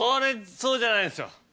そうじゃないんですよ。